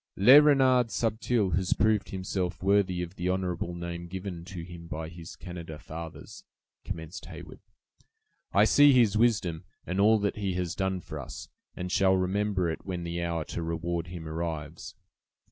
"Le Renard Subtil has proved himself worthy of the honorable name given to him by his Canada fathers," commenced Heyward; "I see his wisdom, and all that he has done for us, and shall remember it when the hour to reward him arrives.